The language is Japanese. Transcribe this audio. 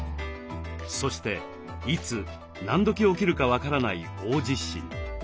そしていつ何時起きるか分からない大地震。